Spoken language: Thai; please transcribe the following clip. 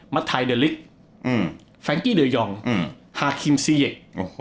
มัทไทยเดอริกแฟรงกี้เดอร์ยองฮาคิมซีเย็ก